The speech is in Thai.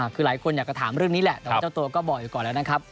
คือหลายคนอยากจะถามเรื่องนี้แหละแต่ว่าเจ้าตัวก็บอกอยู่ก่อนแล้วนะครับ